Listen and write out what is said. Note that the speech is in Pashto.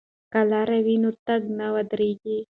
که لاره وي نو تګ نه ودریږي.